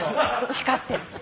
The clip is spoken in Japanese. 光ってる。